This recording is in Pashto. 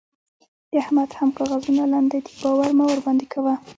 د احمد هم کاغذونه لانده دي؛ باور مه ورباندې کوه.